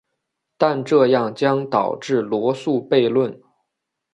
但这样将导致罗素悖论。